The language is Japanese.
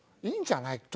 いいんじゃない？